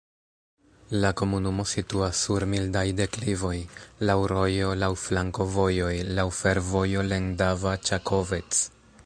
La komunumo situas sur mildaj deklivoj, laŭ rojo, laŭ flankovojoj, laŭ fervojo Lendava-Ĉakovec.